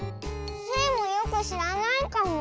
スイもよくしらないかも。